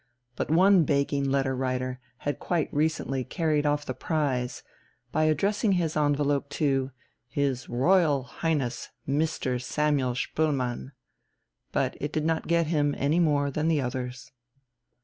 But one begging letter writer had quite recently carried off the prize by addressing his envelope to: "His Royal Highness Mr. Samuel Spoelmann." But it did not get him any more than the others.